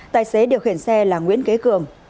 tài xế điều khiển xe là nguyễn kế cường